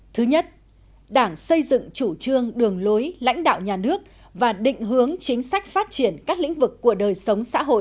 thứ nhất đảng xây dựng chủ trương đường lối lãnh đạo nhà nước và định hướng chính sách phát triển các lĩnh vực của đời sống xã hội